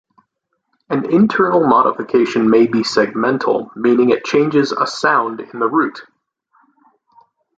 An internal modification may be segmental, meaning it changes a sound in the root.